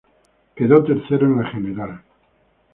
Quedó tercero en la general.